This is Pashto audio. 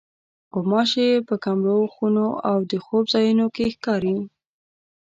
غوماشې په کمرو، خونو او د خوب ځایونو کې ښکاري.